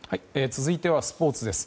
続いてはスポーツです。